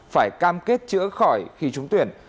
phải cam kết chữa khỏi khi trúng tuyển